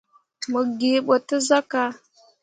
Mo gee ɓo te sah ka.